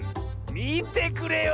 みてくれよ